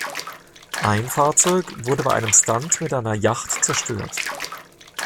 Ein Fahrzeug wurde bei einem Stunt mit einer Yacht zerstört.